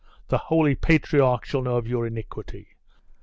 The holy patriarch shall know of your iniquity.